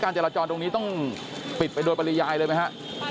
จราจรตรงนี้ต้องปิดไปโดยปริยายเลยไหมฮะ